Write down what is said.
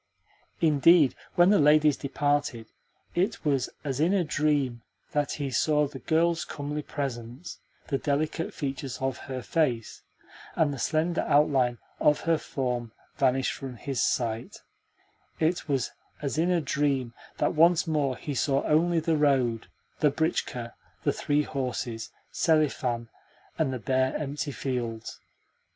Indeed, when the ladies departed, it was as in a dream that he saw the girl's comely presence, the delicate features of her face, and the slender outline of her form vanish from his sight; it was as in a dream that once more he saw only the road, the britchka, the three horses, Selifan, and the bare, empty fields.